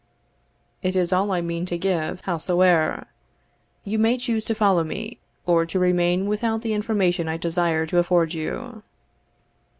"It is all I mean to give, howsoe'er; you may choose to follow me, or to remain without the information I desire to afford you."